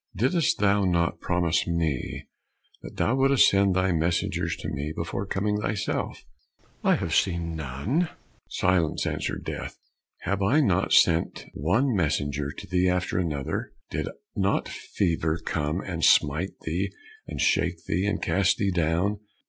Didst thou not promise me that thou wouldst send thy messengers to me before coming thyself? I have seen none!" "Silence!" answered Death. "Have I not sent one messenger to thee after another? Did not fever come and smite thee, and shake thee, and cast thee down?